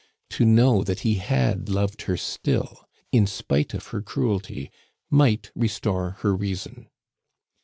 To know that he had loved her still, in spite of her cruelty, might restore her reason.